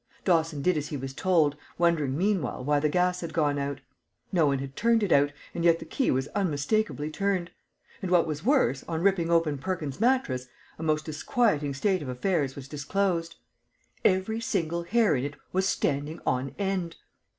Dawson did as he was told, wondering meanwhile why the gas had gone out. No one had turned it out, and yet the key was unmistakably turned; and, what was worse, on ripping open Perkins's mattress, a most disquieting state of affairs was disclosed. _Every single hair in it was standing on end!